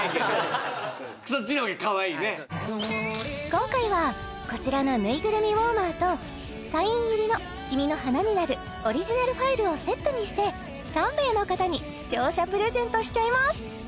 今回はこちらのぬいぐるみウォーマーとサイン入りの「君の花になる」オリジナルファイルをセットにして３名の方に視聴者プレゼントしちゃいます